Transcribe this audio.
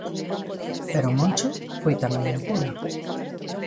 Pero Moncho foi tamén un cura.